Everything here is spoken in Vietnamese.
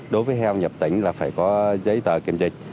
đối với heo nhập tỉnh là phải có giấy tờ kiểm dịch